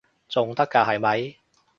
仲得㗎係咪？